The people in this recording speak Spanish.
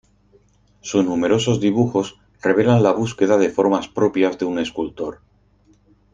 Sus numerosos dibujos revelan la búsqueda de formas propias de un escultor.